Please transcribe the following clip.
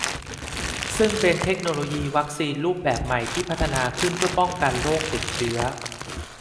ซึ่งเป็นเทคโนโลยีวัคซีนรูปแบบใหม่ที่พัฒนาขึ้นเพื่อป้องกันโรคติดเชื้อ